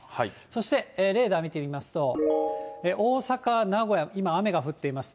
そしてレーダー見てみますと、大阪、名古屋、今雨が降っています。